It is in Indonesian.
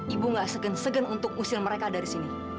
ibu gak segen segen untuk usir mereka dari sini